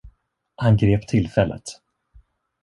Han grep tillfället.